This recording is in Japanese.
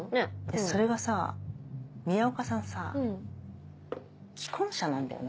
それがさ宮岡さんさぁ既婚者なんだよね。